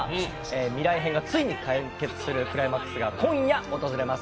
未来編がついに完結するクライマックスが今夜、訪れます。